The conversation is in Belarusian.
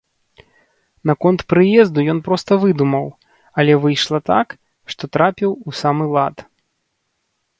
Наконт прыезду ён проста выдумаў, але выйшла так, што трапіў у самы лад.